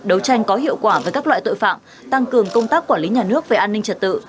đấu tranh có hiệu quả với các loại tội phạm tăng cường công tác quản lý nhà nước về an ninh trật tự